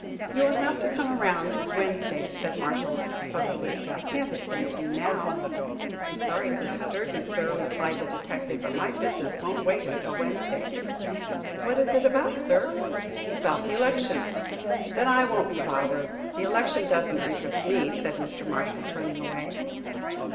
"You will have to come around Wednesday," said Marshall, fussily. "I can't attend to you now." "I'm sorry to disturb you, sir," replied the detective, "but my business won't wait until Wednesday." "What is it about, sir?" "About the election." "Then I won't be bothered. The election doesn't interest me," said Mr. Marshall, turning away.